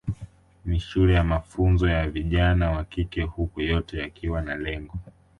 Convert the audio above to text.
Ni shule ya mafunzo ya vijana wa kike huku yote yakiwa na lengo